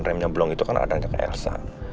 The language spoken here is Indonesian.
remnya belum itu kan ada aja ke elsa